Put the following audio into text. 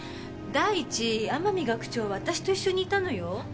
第一天海学長は私と一緒にいたのよ？